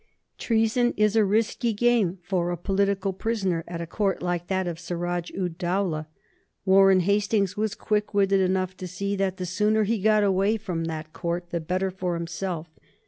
Treason is a risky game for a political prisoner at a court like that of Suraj ud Dowlah. Warren Hastings was quick witted enough to see that the sooner he got away from that court the better for himself.